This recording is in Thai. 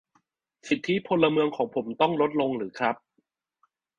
สิทธิพลเมืองของผมต้องลดลงหรือครับ